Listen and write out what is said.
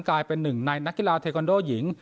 กลายเป็นหนึ่งในนักกีฬาเทคอนโดหญิง